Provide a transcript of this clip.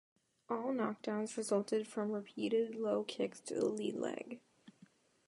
All knockdowns resulted from repeated low kicks to the lead leg.